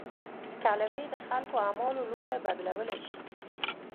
کلمې د خلکو اعمالو لوری بدلولای شي.